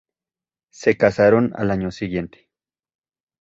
Se casaron al año siguiente.